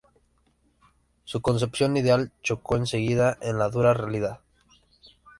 Su concepción ideal chocó en seguida con la dura realidad.